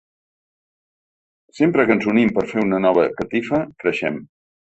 Sempre que ens unim per fer una nova catifa, creixem.